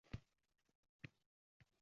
Muzeyda Ochiq eshiklar kuni